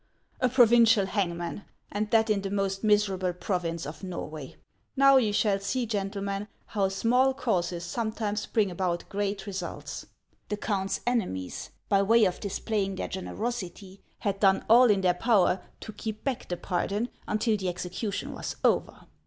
A provincial hangman, and that in the most miserable province of Norway ! Now you shall see, gentlemen, how small causes sometimes bring about great results. The count's enemies, by way of displaying their generosity, had done all in their power to keep back the pardon until the execution was over.